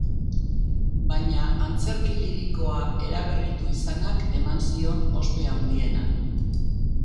Baina antzerki lirikoa eraberritu izanak eman zion ospe handiena.